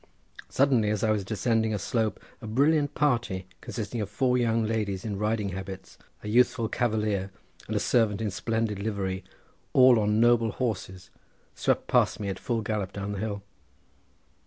Suddenly, as I was descending a slope, a brilliant party consisting of four young ladies in riding habits, a youthful cavalier, and a servant in splendid livery—all on noble horses, swept past me at full gallop down the hill.